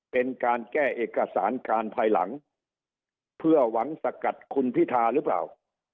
เป็นการแก้เอกสารการภายหลังเพื่อหวังสกัดคุณพิธาหรือเปล่า